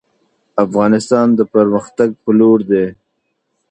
افغانستان د پرمختګ په لور دی